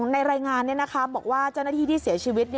ในรายงานบอกว่าเจ้าหน้าที่ที่เสียชีวิต